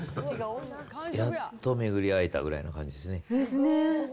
やっと巡り会えたぐらいな感じですね。